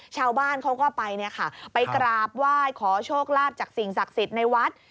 ชาวบ้านเขาก็ไปกราบว่ายขอโชคลาภจากสิ่งศักดิ์สิทธิ์ในวัด